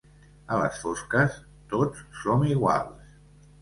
A les fosques tots som iguals.